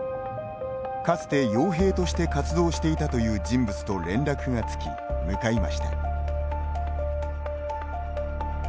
かつて、よう兵として活動していたという人物と連絡がつき、向かいました。